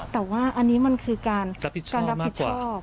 แต่ว่าอันนี้มันคือการรับผิดชอบ